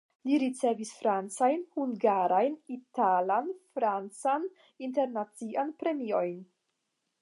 Li ricevis francajn, hungarajn, italan, francan, internacian premiojn.